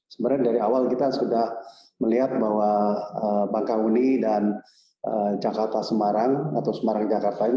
sebenarnya dari awal kita sudah melihat bahwa bangkahuni dan jakarta semarang atau semarang jakarta ini